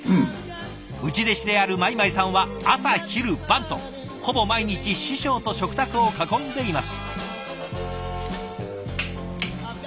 内弟子である米舞さんは朝昼晩とほぼ毎日師匠と食卓を囲んでいます。